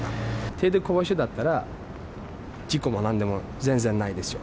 手で壊しだったら、事故もなんでも全然ないですよ。